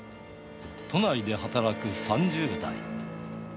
都内で働く３０代。